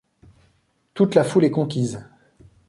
Toute la foule est conquise ;